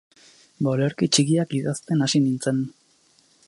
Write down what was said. Ba olerki txikiak idazten hasi nintzen.